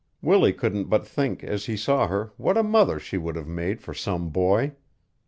Willie couldn't but think as he saw her what a mother she would have made for some boy.